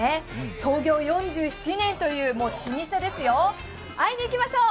創業４７年というもう老舗ですよ、会いにいきましょう。